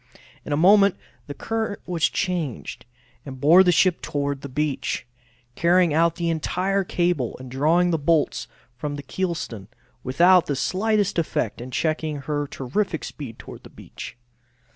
In a moment the current was changed, and bore the ship toward the beach, carrying out the entire cable and drawing the bolts from the kelson, without the slightest effect in checking her terrific speed toward the beach.